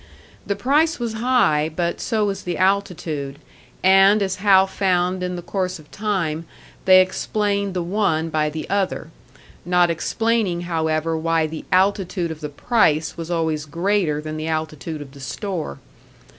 The price was high, but so was the altitude, and as Hal found in the course of time, they explained the one by the other not explaining, however, why the altitude of the price was always greater than the altitude of the store.